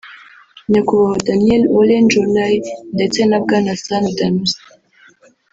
Nyakubahwa Daniel Ole Njoolay ndetse na Bwana Sanu Danusi